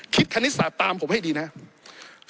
คณิตศาสตร์ตามผมให้ดีนะครับ